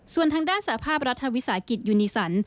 ส่วนทางด้านสาภาพรัฐวิสาหกิจยูนิสัน